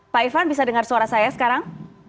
pak ivan bisa dengar suara saya sekarang